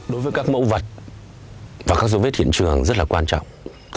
đối với các mẫu vật và các dấu vết hiện trường rất là quan trọng